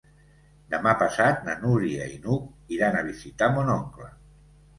Demà passat na Núria i n'Hug iran a visitar mon oncle.